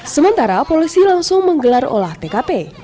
sementara polisi langsung menggelar olah tkp